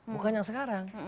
bukan yang sekarang